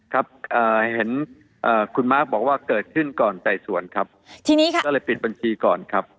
ครับเห็นคุณมาร์คบอกว่าเกิดขึ้นก่อนไต่สวนครับทีนี้ค่ะก็เลยปิดบัญชีก่อนครับ